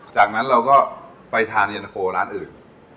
จากนั้นเราก็ไปทานเย็นตะโฟร้านอื่น